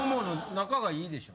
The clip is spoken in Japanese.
仲がいいでしょ？